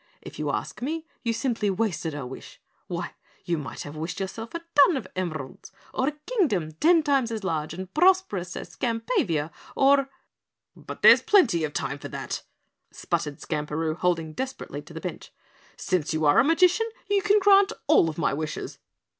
"If you ask me, you simply wasted a wish. Why, you might have wished yourself a ton of emeralds or a Kingdom ten times as large and prosperous as Skampavia or " "But there's plenty of time for that," sputtered Skamperoo, holding desperately to the bench, "since you are a magician you can grant all of my wishes."